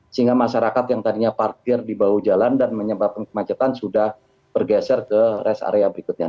sehingga masyarakat yang tadinya parkir di bahu jalan dan menyebabkan kemacetan sudah bergeser ke rest area berikutnya